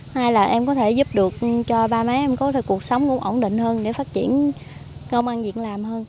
hai là em có thể giúp được cho ba máy em có cuộc sống cũng ổn định hơn để phát triển công an việc làm hơn